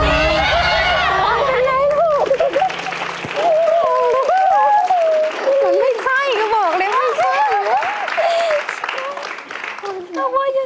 เหมือนไม่ใช่ก็บอกเลยว่าไม่ใช่